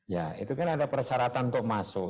ya itu kan ada persyaratan untuk masuk